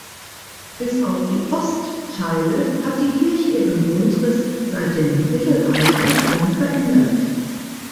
Bis auf die Ostteile hat die Kirche ihren Grundriss seit dem Mittelalter kaum verändert.